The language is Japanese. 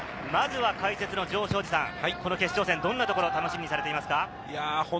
まずは解説の城彰二さん、決勝戦、どんなところを楽しみにされていますか？